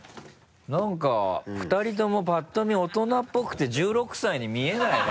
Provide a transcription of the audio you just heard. なんか２人ともぱっと見大人っぽくて１６歳に見えないね。